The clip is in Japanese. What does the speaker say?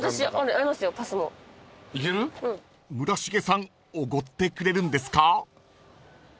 ［村重さんおごってくれるんですか？］